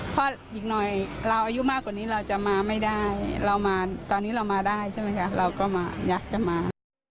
เพราะอีกหน่อยเราอายุมากกว่านี้เราจะมาไม่ได้เรามาตอนนี้เรามาได้ใช่ไหมคะเราก็มาอยากจะมา